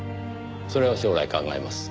それは将来考えます。